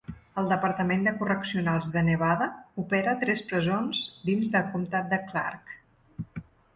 El Departament de Correccionals de Nevada opera tres presons dins del comtat de Clark.